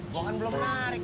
gue kan belum menarik